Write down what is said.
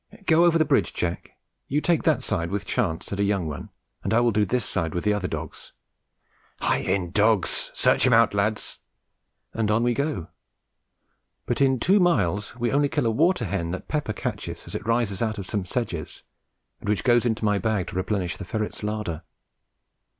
Go over the bridge, Jack. You take that side with Chance and a young one, and I will do this side with the other dogs. Hie in, dogs! Search him out, lads! And on we go, but in two miles we only kill a water hen that Pepper catches as it rises out of some sedges, and which goes into my bag to replenish the ferrets' larder.